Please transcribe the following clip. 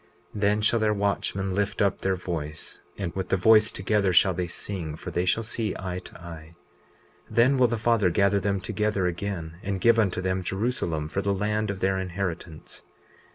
20:32 Then shall their watchmen lift up their voice, and with the voice together shall they sing; for they shall see eye to eye. 20:33 Then will the Father gather them together again, and give unto them Jerusalem for the land of their inheritance.